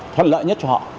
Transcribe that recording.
thuận lợi nhất cho họ